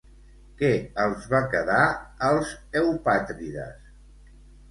Què els va quedar als eupàtrides?